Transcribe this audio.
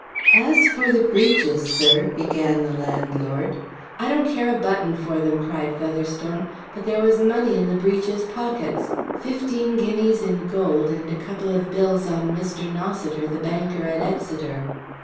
"As for the breeches, sir," began the landlord. "I don't care a button for them," cried Featherstone. "But there was money in the breeches' pockets. Fifteen guineas in gold, and a couple of bills on Mr. Nossiter, the banker at Exeter."